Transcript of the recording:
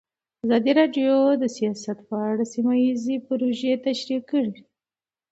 ازادي راډیو د سیاست په اړه سیمه ییزې پروژې تشریح کړې.